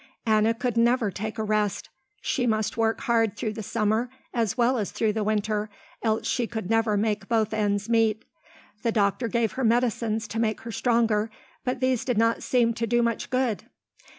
Anna could never take a rest. She must work hard through the summer as well as through the winter, else she could never make both ends meet. The doctor gave her medicines to make her stronger but these did not seem to do much good.